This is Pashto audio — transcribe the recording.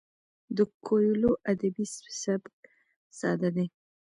د کویلیو ادبي سبک ساده دی.